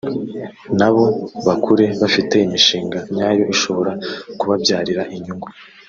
nabo bakure bafite imishinga nyayo ishobora kubabyarira inyungu